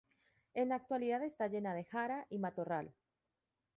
En la actualidad está llena de jara y matorral.